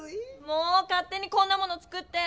もうかっ手にこんなもの作って！